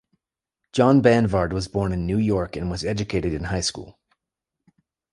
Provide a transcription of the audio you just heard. John Banvard was born in New York and was educated in high school.